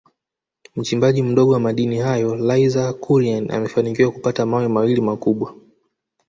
Mchimbaji mdogo wa madini hayo Laizer Kuryani amefanikiwa kupata mawe mawili makubwa